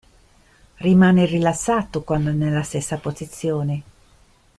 Rimane rilassato quando è nella stessa posizione.